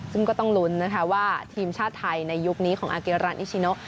ซึ่งก็ต้องลุ้นนะคะว่าทีมชาติไทยในยุคนี้ของอาเกรันนิชิโน